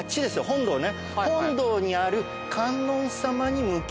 本堂ね。